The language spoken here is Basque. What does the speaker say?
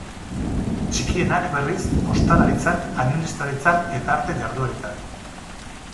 Txikienak, berriz, ostalaritzan, administraritzan eta arte jardueretan.